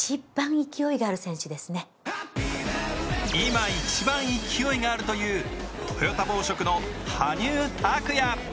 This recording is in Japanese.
今、一番勢いがあるというトヨタ紡織の羽生拓矢。